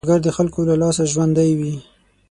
سوالګر د خلکو له لاسه ژوندی وي